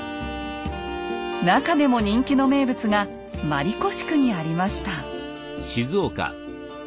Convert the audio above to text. なかでも人気の名物が鞠子宿にありました。